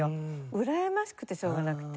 うらやましくてしょうがなくて。